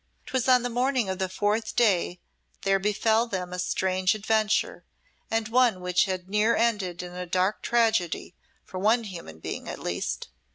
'Twas on the morning of the fourth day there befel them a strange adventure, and one which had near ended in dark tragedy for one human being at least.